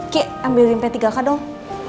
ki ambilin p tiga k dong